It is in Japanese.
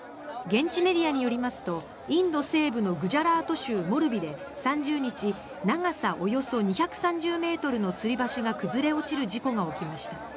現地メディアによりますとインド西部のグジャラート州モルビで３０日長さおよそ２３０ｍのつり橋が崩れ落ちる事故がありました。